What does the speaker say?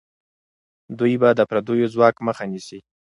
دوی به د پردیو ځواک مخه نیسي.